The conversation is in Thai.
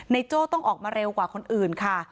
โจ้ต้องออกมาเร็วกว่าคนอื่นค่ะ